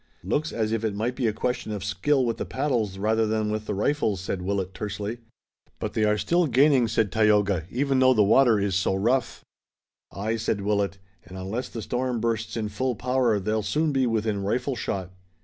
"Looks as if it might be a question of skill with the paddles rather than with the rifles," said Willet tersely. "But they are still gaining," said Tayoga, "even though the water is so rough." "Aye," said Willet, "and unless the storm bursts in full power they'll soon be within rifle shot."